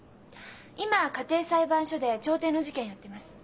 今家庭裁判所で調停の事件やってます。